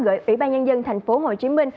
gửi ủy ban nhân dân tp hcm